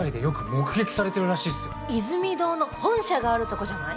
イズミ堂の本社があるとこじゃない？